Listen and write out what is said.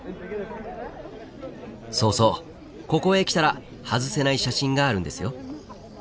そうそうここへ来たら外せない写真があるんですよ。